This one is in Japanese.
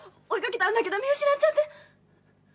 追い掛けたんだけど見失っちゃって。